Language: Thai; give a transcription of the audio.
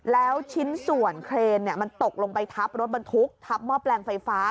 แล้วชิ้นส่วนเครนมันตกลงไปทับรถบรรทุกทับหม้อแปลงไฟฟ้า